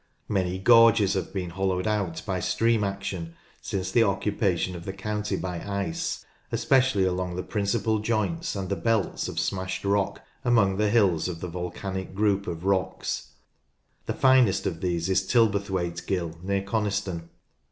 Many gorges have been hollowed out by stream action since the occupation of the county by ice, especially along the principal joints and the belts of smashed rock among the hills of the volcanic group of rocks. The finest of these is Tilberthwaite Gill near Coniston.